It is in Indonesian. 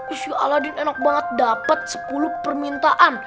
ish aladin enak banget dapet sepuluh permintaan